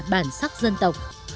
bản sắc dân tộc